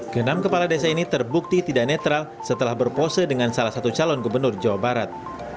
kenam kepala desa ini terbukti tidak netral setelah berpose dengan salah satu calon gubernur jawa barat